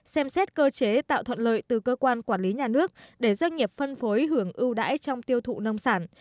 xem xét cơ chế tạo thuận lợi từ cơ quan quản lý nhà nước để doanh nghiệp phân phối hưởng ưu đãi trong tiêu thụ nông sản